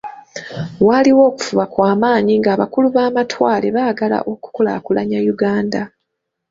Waaliwo okufuba kwa maanyi nga abakulu b’amatwale baagala okukulaakulanya Uganda.